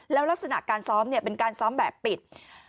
แล้วลักษณะการซ้อมเป็นการซ้อมแบบปิด